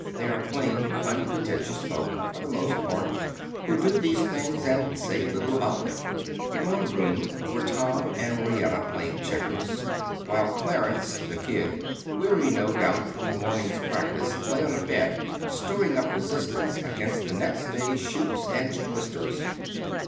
They are plain, unpretentious folk, for the most part, who do these things and say little about them. In one room were Tom and Royetta playing checkers, while Clarence, the "kid," weary, no doubt, from the morning's practice, lay on a bed storing up resistance against the next day's shoots and twisters.